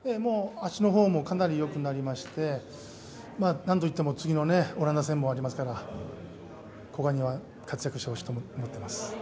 足の方もかなりよくなりまして、何と言っても次のオランダ戦もありますから、古賀には活躍してほしいと思っています。